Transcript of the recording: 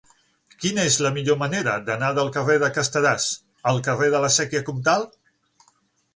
Quina és la millor manera d'anar del carrer de Casteràs al carrer de la Sèquia Comtal?